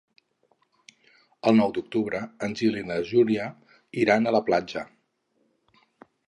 El nou d'octubre en Gil i na Júlia iran a la platja.